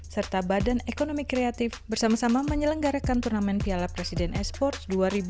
serta badan ekonomi kreatif bersama sama menyelenggarakan turnamen piala presiden esports dua ribu dua puluh